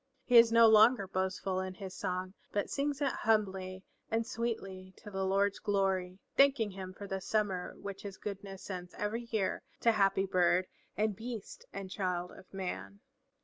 He is no longer boastful in his song, but sings it humbly and sweetly to the Lord's glory, thanking him for the summer which his goodness sends every year to happy bird and beast and child of man.